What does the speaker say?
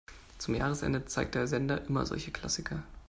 Zum Jahresende zeigt der Sender immer solche Klassiker.